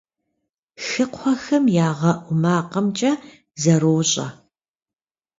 Хыкхъуэхэм ягъэӏу макъымкӏэ зэрощӏэ.